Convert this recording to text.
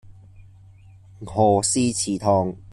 何氏祠堂